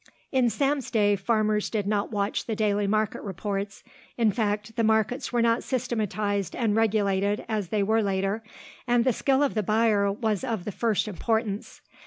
In Sam's day, farmers did not watch the daily market reports, in fact, the markets were not systematised and regulated as they were later, and the skill of the buyer was of the first importance.